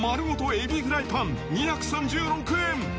エビフライパン２３６円。